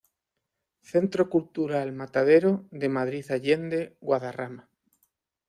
Centro Cultural Matadero de Madrid Allende Guadarrama.